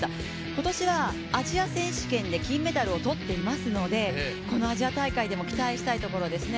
今年は、アジア選手権で金メダルをとっていますのでこのアジア大会でも期待したいところですね。